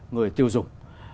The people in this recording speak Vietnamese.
người tiêu dụng